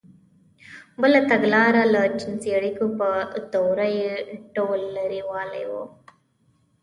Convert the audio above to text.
بله تګلاره له جنسـي اړیکو په دورهیي ډول لرېوالی و.